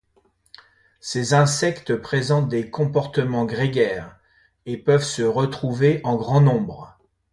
Ces insectes présentent des comportements grégaires et peuvent se retrouver en grand nombre.